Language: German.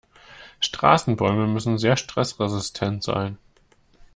Straßenbäume müssen sehr stressresistent sein.